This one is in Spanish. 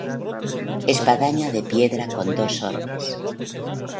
Espadaña de piedra con dos orbes.